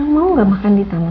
mau gak makan di tanah